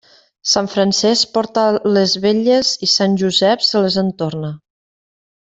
Sant Francesc porta les vetlles, i Sant Josep se les entorna.